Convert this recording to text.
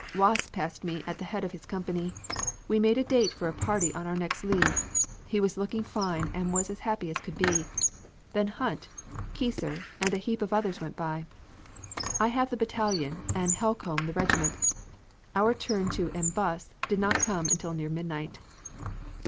Wass passed me at the head of his company we made a date for a party on our next leave. He was looking fine and was as happy as could be. Then Hunt, Keyser and a heap of others went by. I have the battalion and Holcomb the regiment. Our turn to en buss did not come until near midnight.